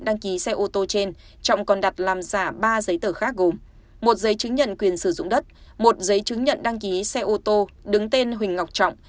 đăng ký xe ô tô trên trọng còn đặt làm giả ba giấy tờ khác gồm một giấy chứng nhận quyền sử dụng đất một giấy chứng nhận đăng ký xe ô tô đứng tên huỳnh ngọc trọng